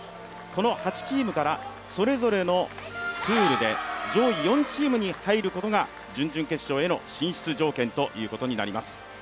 この８チームからそれぞれのプールで上位４チームに入ることが準々決勝への進出条件ということになります。